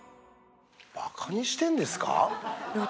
バカにしてんですか？